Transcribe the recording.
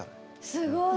すごい！